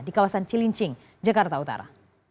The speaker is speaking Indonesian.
di kawasan cilincing jakarta utara